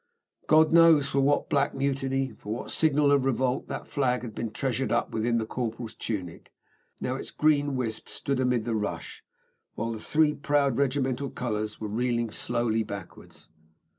God knows for what black mutiny, for what signal of revolt, that flag had been treasured up within the corporal's tunic! Now its green wisp stood amid the rush, while three proud regimental colours were reeling slowly backwards.